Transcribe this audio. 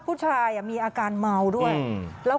พูดว่าคนอีกก็เห็นเม่าหรือเปล่า